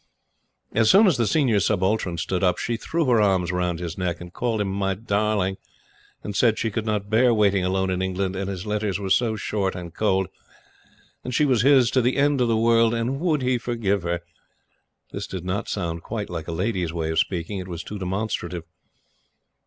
As soon as the Senior Subaltern stood up, she threw her arms round his neck, and called him "my darling," and said she could not bear waiting alone in England, and his letters were so short and cold, and she was his to the end of the world, and would he forgive her. This did not sound quite like a lady's way of speaking. It was too demonstrative.